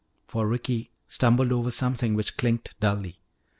For Ricky stumbled over something which clinked dully.